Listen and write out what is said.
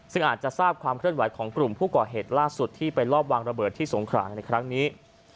ซึ่งอาจจะทราบความเคลื่อนไหวของกลุ่มผู้ก่อเหตุล่าสุดที่ไปรอบวางระเบิดที่สงขราในครั้งนี้